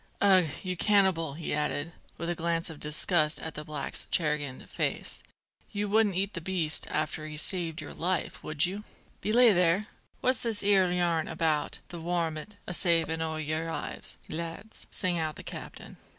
"Ugh, you cannibal!" he added, with a glance of disgust at the black's chagrined face, "you wouldn't eat the beast after he has saved your life, would you?" "Belay there! what's this 'ere yarn about the warmint a savin' o' your lives, lads?" sang out the captain.